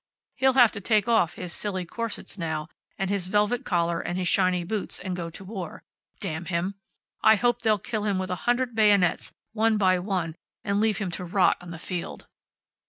He'll have to take off his silly corsets now, and his velvet collar, and his shiny boots, and go to war. Damn him! I hope they'll kill him with a hundred bayonets, one by one, and leave him to rot on the field.